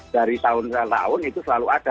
dari tahun ke tahun itu selalu ada